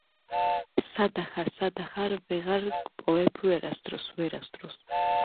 სადა ხარ სადა ხარ ვეღარ გპოვებ ვერასდროს ... ვერასდროს